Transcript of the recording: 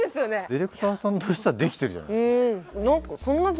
ディレクターさんとしてはデキてるじゃないですか。